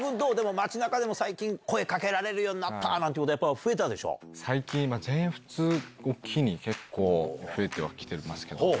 街なかでも最近、声かけられるようになったなんてこと、やっぱ増最近、全仏を機に、結構増えてはきてますけど。